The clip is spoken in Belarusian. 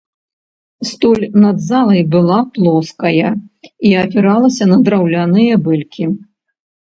Столь над залай была плоская і апіралася на драўляныя бэлькі.